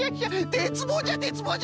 てつぼうじゃてつぼうじゃ！